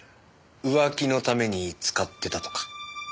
浮気のために使ってたとか？